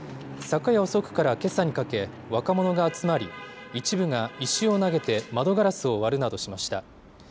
昨夜遅くからけさにかけ、若者が集まり、一部が石を投げて窓ガラスを割るなどしました。